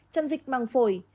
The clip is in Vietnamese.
chân dịch màng phổi